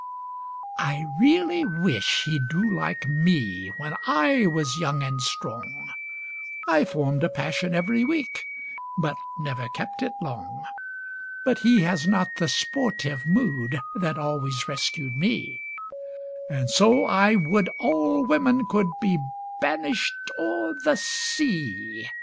I really wish he'd do like me When I was young and strong; I formed a passion every week, But never kept it long. But he has not the sportive mood That always rescued me, And so I would all women could Be banished o'er the sea.